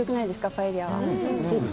パエリアは。